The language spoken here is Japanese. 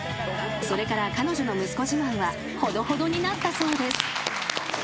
［それから彼女の息子自慢はほどほどになったそうです］